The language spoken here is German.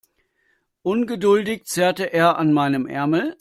Ungeduldig zerrte er an meinem Ärmel.